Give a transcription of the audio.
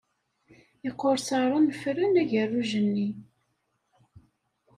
Iqursaṛen ffren agerruj-nni.